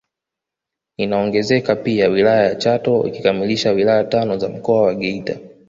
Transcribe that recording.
Inaongezeka pia wilaya ya Chato ikikamilisha wilaya tano za Mkoa wa Geita